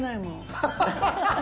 ハハハハハ！